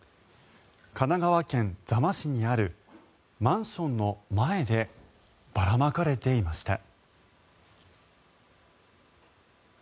神奈川県座間市にあるマンションの前でばらまかれていました。